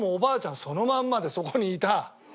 そのまんまでそこにいた。